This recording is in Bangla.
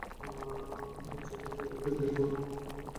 অথচ চাইলে জেএফএর বিলবোর্ড বাফুফের টার্ফে বসিয়েও ম্যাচ আয়োজন করা যেত।